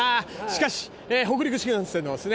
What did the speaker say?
しかし、北陸新幹線はですね